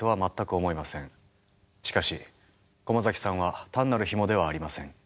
しかし駒崎さんは単なるヒモではありません。